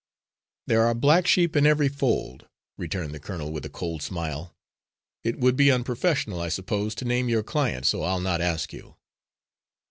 "There are black sheep in every fold," returned the colonel with a cold smile. "It would be unprofessional, I suppose, to name your client, so I'll not ask you."